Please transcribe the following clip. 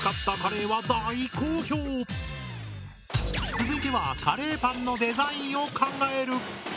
続いてはカレーパンのデザインを考える！